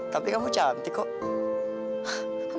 tapi kamu cantik kok